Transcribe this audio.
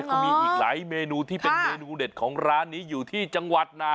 เขามีอีกหลายเมนูที่เป็นเมนูเด็ดของร้านนี้อยู่ที่จังหวัดนะ